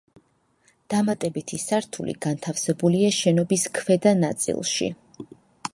დამატებითი სართული განთავსებულია შენობის ქვედა ნაწილში.